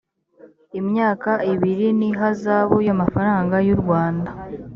imyaka ibiri n ihazabu y amafaranga y urwanda